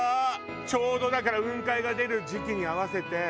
ちょうどだから雲海が出る時期に合わせて。